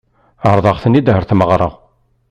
Ɛeṛḍeɣ-tent-id ɣer tmeɣṛa.